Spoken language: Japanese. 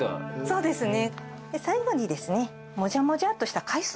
そうですね。